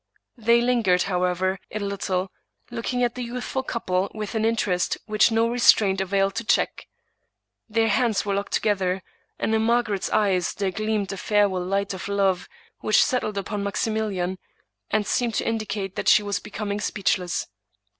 They lingered, however, a little, looking at the youthful couple with an interest which no restraints availed to check. Their hands were locked to gether, and in Margaret's eyes there gleamed a farewell light of love, which settled upon Maximilian, and seemed to indicate that she was becoming speechless.